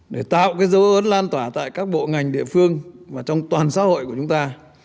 để tạo cái dấu ấn lan tỏa tại các bộ ngành địa phương và trong toàn xã hội của chúng ta